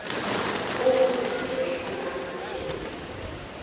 Пойымо шуэш кынам кучен.